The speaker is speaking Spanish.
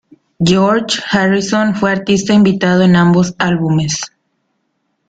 George Harrison fue artista invitado en ambos álbumes.